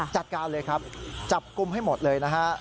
จัดการเลยครับจับกลุ่มให้หมดเลยนะฮะ